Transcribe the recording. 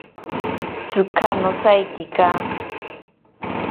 Tsika nosaikika.